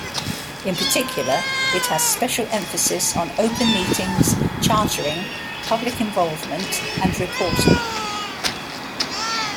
In particular, it has special emphasis on open meetings, chartering, public involvement, and reporting.